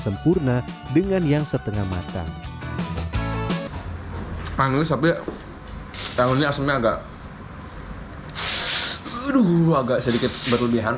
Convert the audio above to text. sempurna dengan yang setengah matang panis tapi tahunnya semoga hai dulu agak sedikit berlebihan